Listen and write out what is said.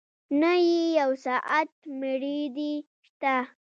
نه يې يو ساعت مړېدۀ شته